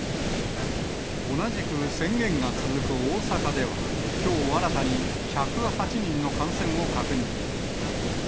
同じく宣言が続く大阪では、きょう新たに１０８人の感染を確認。